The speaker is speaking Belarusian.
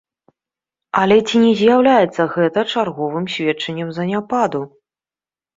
Але ці не з'яўляецца гэта чарговым сведчаннем заняпаду?